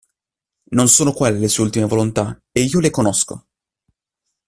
Non sono quelle le sue ultime volontà, e io le conosco.